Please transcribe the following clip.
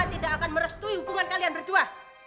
tidak akan merestui hubungan kalian berdua